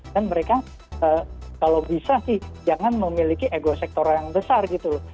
dan mereka kalau bisa sih jangan memiliki ego sektor yang besar gitu loh